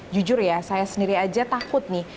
jujur ya saya sendiri aja takut nih